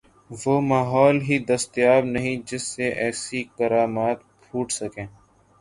وہ ماحول ہی دستیاب نہیں جس سے ایسی کرامات پھوٹ سکیں۔